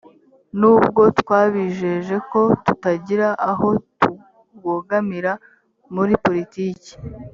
nubwo twabijeje ko tutagira aho tubogamira muri politiki